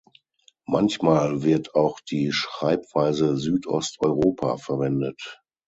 Manchmal wird auch die Schreibweise Südost-Europa verwendet.